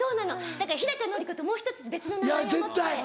だから日のり子ともう１つ別の名前を持って。